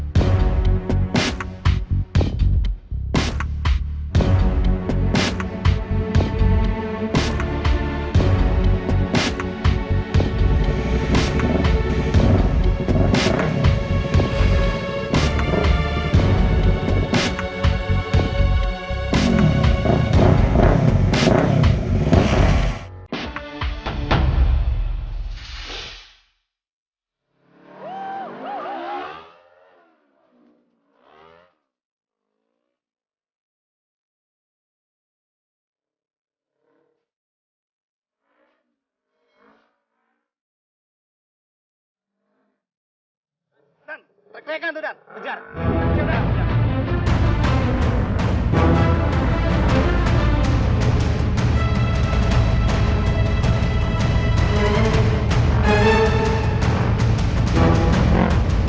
beres lu tenang aja